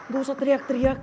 gak usah teriak teriak